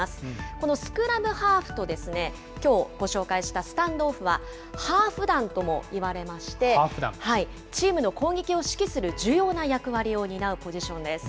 このスクラムハーフときょうご紹介したスタンドオフは、ハーフ団ともいわれまして、チームの攻撃を指揮する重要な役割を担うポジションです。